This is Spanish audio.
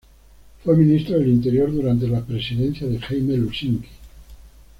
Fue ministro del Interior durante la presidencia de Jaime Lusinchi.